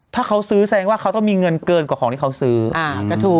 ถ้าเขาซื้อแสดงว่าเขาต้องมีเงินเกินกว่าของที่เขาซื้อ